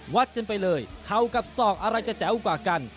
วัดกันไปเลยเข่ากับศอกอะไรจะแจ๋วกว่ากัน